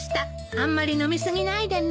あんまり飲み過ぎないでね。